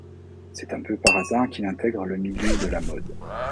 C'est un peu par hasard qu'il intègre le milieu de la mode.